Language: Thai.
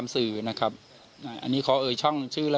๑๓ลุงพลแม่ตะเคียนเข้าสิงหรือเปล่า